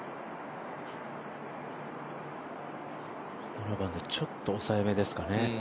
７番で、ちょっと抑えめでしょうかね。